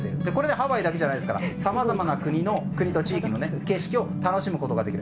ハワイだけでなくさまざまな国と地域の景色を楽しむことができる。